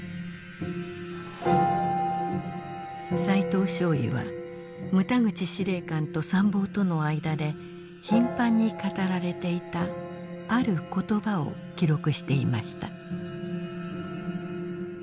齋藤少尉は牟田口司令官と参謀との間で頻繁に語られていたある言葉を記録していました。